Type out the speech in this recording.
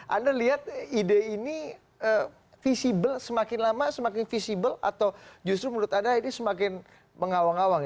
anda lihat ide ini visible semakin lama semakin visible atau justru menurut anda ini semakin mengawang awang